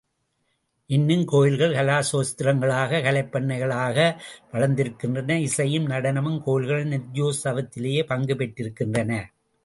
இன்னும் கோயில்கள் கலாக்ஷேத்திரங்களாக, கலைப் பண்ணைகளாக வளர்ந்திருக்கின்றன, இசையும் நடனமும், கோயில்களின் நித்யோஸ் தவத்திலேயே பங்கு பெற்றிருக்கின்றன.